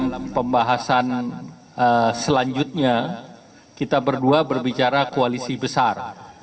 dalam pembahasan selanjutnya kita berdua berbicara koalisi besar